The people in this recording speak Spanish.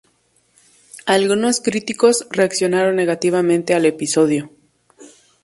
Algunos críticos reaccionaron negativamente al episodio.